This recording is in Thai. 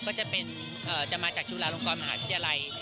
ก็จะเป็นจะมาจากจุฬาลงกรมหาวิทยาลัย